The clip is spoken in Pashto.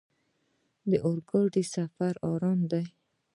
د اورګاډي سفر ارام دی.